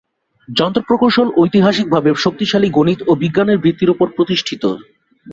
যন্ত্র প্রকৌশল ঐতিহাসিক ভাবে শক্তিশালী গণিত ও বিজ্ঞানের ভিত্তির উপর প্রতিষ্ঠিত।